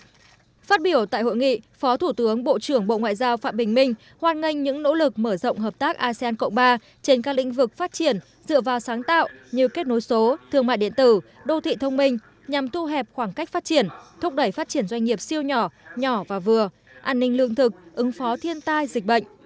phát biểu tại hội nghị phó thủ tướng bộ trưởng bộ ngoại giao phạm bình minh hoan nghênh những nỗ lực mở rộng hợp tác asean cộng ba trên các lĩnh vực phát triển dựa vào sáng tạo như kết nối số thương mại điện tử đô thị thông minh nhằm thu hẹp khoảng cách phát triển thúc đẩy phát triển doanh nghiệp siêu nhỏ nhỏ và vừa an ninh lương thực ứng phó thiên tai dịch bệnh